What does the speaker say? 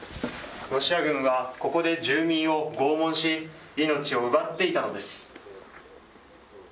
ロシア軍はここで住民を拷問し、命を奪っていたのです。